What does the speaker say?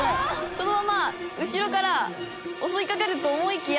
「このまま後ろから襲いかかると思いきや」